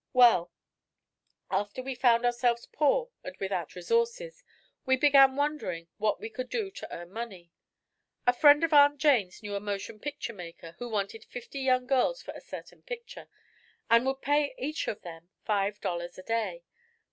"Well, after we found ourselves poor and without resources we began wondering what we could do to earn money. A friend of Aunt Jane's knew a motion picture maker who wanted fifty young girls for a certain picture and would pay each of them five dollars a day.